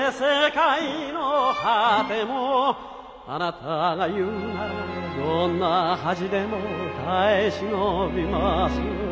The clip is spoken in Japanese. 「貴方が言うならどんな恥でも耐えしのびます」